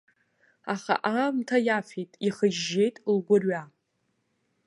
Аха аамҭа иафеит, ихыжьжьеит лгәырҩа.